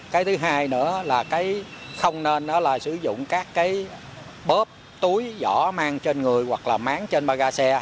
cái thứ hai nữa là không nên sử dụng các bóp túi giỏ mang trên người hoặc là máng trên ba ga xe